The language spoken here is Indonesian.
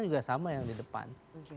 juga sama yang di depan